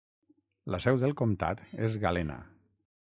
La seu del comtat és Galena.